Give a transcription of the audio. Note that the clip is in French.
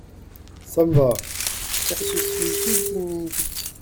Ça me va ! car je suis si timide…